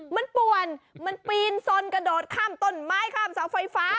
มันป่วนมันปีนสนกระโดดข้ามต้นไม้ข้ามเสาไฟฟ้า